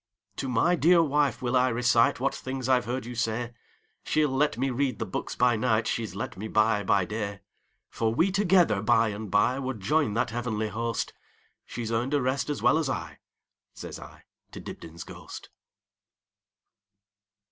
"To my dear wife will I reciteWhat things I 've heard you say; She 'll let me read the books by nightShe 's let me buy by day. For we together by and byWould join that heavenly host; She 's earned a rest as well as I,"Says I to Dibdin's ghost.